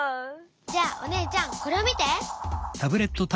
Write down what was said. じゃあお姉ちゃんこれを見て！